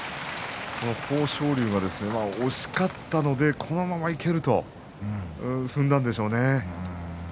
豊昇龍が押し勝ったのでこのままいけると踏んだんでしょうね。